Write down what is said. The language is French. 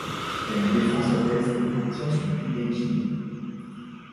Elle défend sa thèse et obtient son Ph.D.